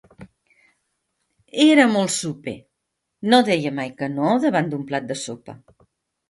Era molt soper: no deia mai que no davant un plat de sopa.